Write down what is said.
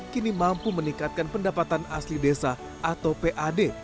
kini mampu meningkatkan pendapatan asli desa atau pad